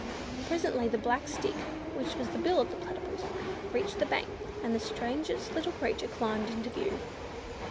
Presently the black stick, which was the bill of the Platypus, reached the bank, and the strangest little creature climbed into view.